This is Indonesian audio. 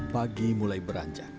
pagi mulai beranjak